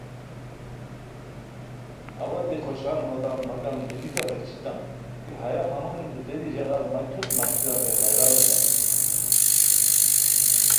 اوا دی خوشان ہوتام مگم دونیکہ بہچیتام کی ہیہ ہمونی دودیری ژاغار مہ کھیوت مݰکیران رے حیران ہوتام